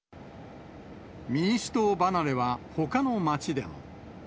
民主党離れは、ほかの町でも。